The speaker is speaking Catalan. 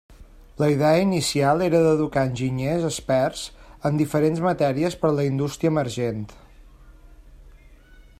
La idea inicial era d'educar enginyers experts en diferents matèries per la indústria emergent.